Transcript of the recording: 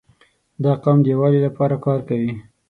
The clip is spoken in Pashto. • دا قوم د یووالي لپاره کار کوي.